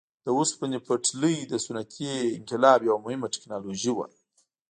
د اوسپنې پټلۍ د صنعتي انقلاب یوه مهمه ټکنالوژي وه.